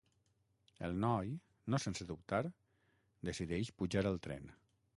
El noi, no sense dubtar, decideix pujar al tren.